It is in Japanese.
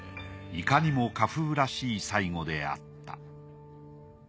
いかにも荷風らしい最期であった。